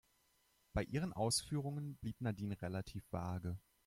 Bei ihren Ausführungen blieb Nadine relativ vage.